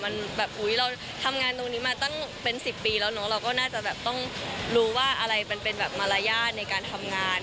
มันแบบอุ๊ยเราทำงานตรงนี้มาตั้งเป็น๑๐ปีแล้วเนอะเราก็น่าจะแบบต้องรู้ว่าอะไรมันเป็นแบบมารยาทในการทำงาน